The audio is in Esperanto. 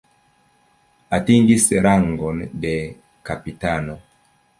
Atingis rangon de kapitano.